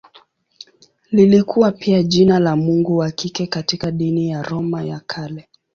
Lilikuwa pia jina la mungu wa kike katika dini ya Roma ya Kale.